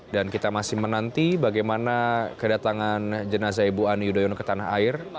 dan kita masih menanti bagaimana kedatangan jenazah ibu ani yudhoyono ke tanah air